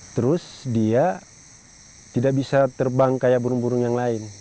terus dia tidak bisa terbang kayak burung burung yang lain